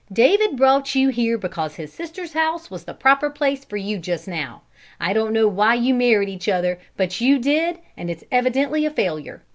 David brought you here because his sister's house was the proper place for you just now. I don't know why you married each other, but you did, and it's evidently a failure.